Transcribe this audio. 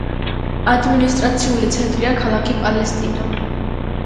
ადმინისტრაციული ცენტრია ქალაქი პალესტინა.